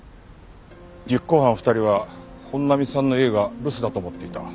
実行犯２人は本並さんの家が留守だと思っていた。